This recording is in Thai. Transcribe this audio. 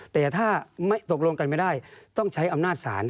แต่ถ้าไม่ตกลงกันไม่ได้ต้องใช้อำนาจศาล